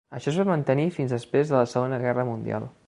Això es va mantenir fins després de la Segona Guerra Mundial.